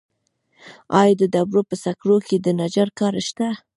آیا د ډبرو په سکرو کې د نجار کار شته